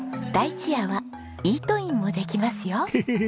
「だいちや」はイートインもできますよ。